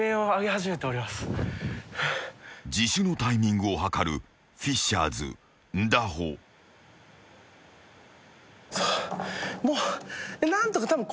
［自首のタイミングを計るフィッシャーズンダホ］何とかたぶん。